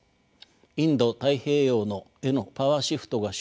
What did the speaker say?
インド太平洋へのパワー・シフトが生じ